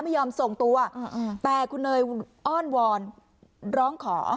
ไม่ยอมส่งตัวแต่คุณเนยอ้อนวอนร้องขอ